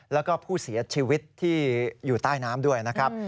แล้วก็ผู้เสียชีวิตที่อยู่ใต้น้ำด้วยนะครับ